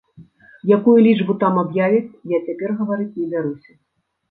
Якую лічбу там аб'явяць, я цяпер гаварыць не бяруся.